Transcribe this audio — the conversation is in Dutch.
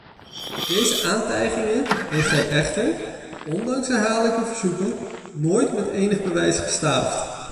Deze aantijgingen heeft hij echter, ondanks herhaaldelijk verzoeken, nooit met enig bewijs gestaafd.